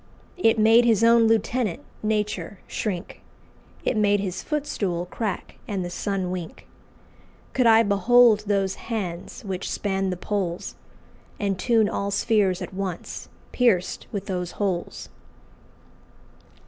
It made his own lieutenant, Nature, shrink; It made his footstool crack and the sun wink. Could I behold those hands, which span the Poles, And tune all sphears at once, pierced with those holes!"